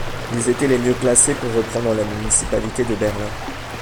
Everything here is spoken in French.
Ils étaient les mieux placés pour reprendre la municipalité de Berlin.